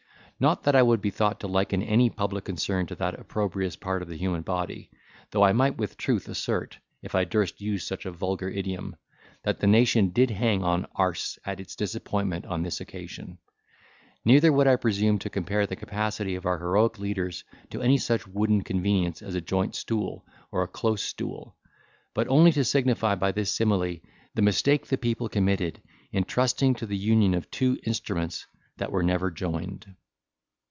Not that I would be thought to liken any public concern to that opprobrious part of the human body, though I might with truth assert, if I durst use such a vulgar idiom, that the nation did hang on arse at its disappointment on this occasion; neither would I presume to compare the capacity of our heroic leaders to any such wooden convenience as a joint stool or a close stool; but only to signify by this simile, the mistake the people committed in trusting to the union of two instruments that were never joined.